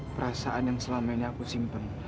perasaan yang selama ini aku simpen